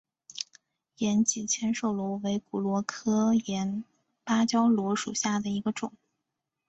岩棘千手螺为骨螺科岩芭蕉螺属下的一个种。